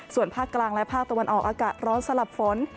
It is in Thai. ส่วนภาคกลางและภาคตะวันออกอากาศร้อนสลับฝน